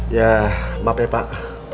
ya maaf ya pak